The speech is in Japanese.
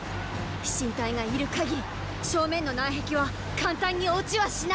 飛信隊がいる限り正面の南壁は簡単に落ちはしない！